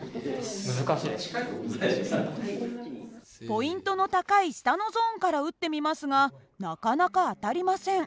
ポイントの高い下のゾーンから撃ってみますがなかなか当たりません。